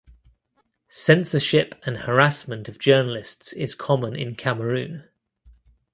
Censorship and harassment of journalists is common in Cameroon.